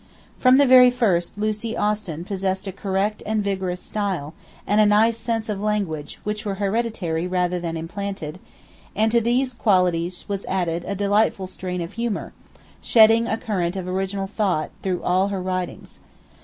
From the very first Lucie Austin possessed a correct and vigorous style, and a nice sense of language, which were hereditary rather than implanted, and to these qualities was added a delightful strain of humour, shedding a current of original thought all through her writings.